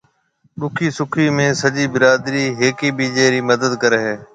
ڏُکِي سُکِي ۾ سجي برادري ھيَََڪيَ ٻيجيَ رِي مدد ڪريَ ھيََََ